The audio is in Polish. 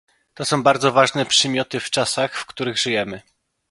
To są bardzo ważne przymioty w czasach, w których żyjemy